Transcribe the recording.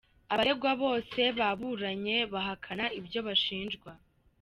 Abaregwa bose baburanye bahakana ibyo bashinjwa.